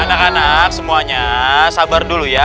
anak anak semuanya sabar dulu ya